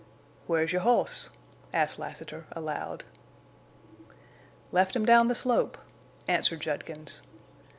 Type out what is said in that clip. "Where's your hoss?" asked Lassiter, aloud. "Left him down the slope," answered Judkins.